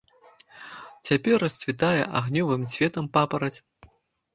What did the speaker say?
Цяпер расцвітае агнёвым цветам папараць.